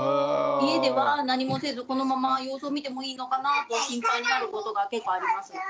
家では何もせずこのまま様子を見てもいいのかなって心配になることが結構あります。